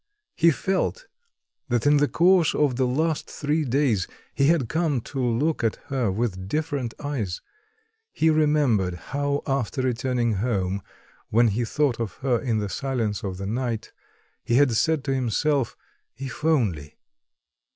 He felt that in the course of the last three days, he had come to look at her with different eyes; he remembered how after returning home when he thought of her in the silence of the night, he had said to himself, "if only!"...